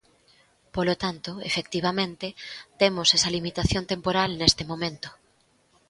Polo tanto, efectivamente, temos esa limitación temporal neste momento.